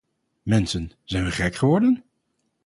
Mensen, zijn we gek geworden?